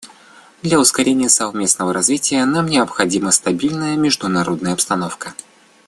Для ускорения совместного развития нам необходима стабильная международная обстановка.